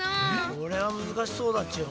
これはむずかしそうだっちよ。